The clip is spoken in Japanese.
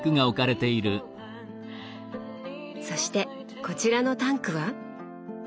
そしてこちらのタンクは？